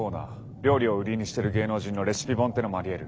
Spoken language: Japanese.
料理を売りにしてる芸能人のレシピ本ってのもありえる。